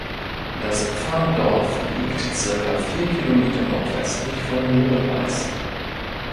Das Pfarrdorf liegt circa vier Kilometer nordwestlich von Moorenweis.